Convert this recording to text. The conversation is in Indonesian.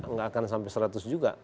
nggak akan sampai seratus juga